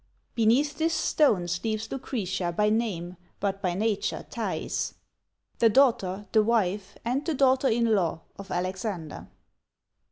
"Beneath this stone sleeps Lucretia by name, but by nature Thais; the daughter, the wife, and the daughter in law of Alexander!"